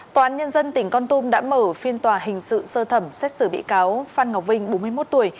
tòa án nhân dân tỉnh con tum đã mở phiên tòa hình sự sơ thẩm xét xử bị cáo phan ngọc vinh bốn mươi một tuổi